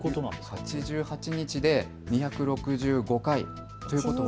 ８８日で２６５回ということは？